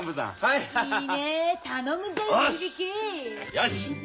よし。